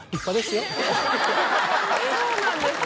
そうなんですか？